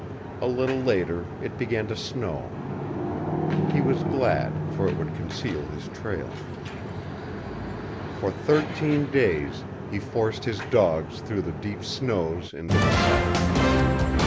A little later it began to snow. He was glad, for it would conceal his trail. For thirteen days he forced his dogs through the deep snows into the south.